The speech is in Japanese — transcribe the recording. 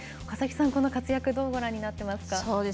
岡崎さん、この活躍どうご覧になっていますか。